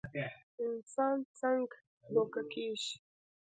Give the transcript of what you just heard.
انسان څنګ دوکه کيږي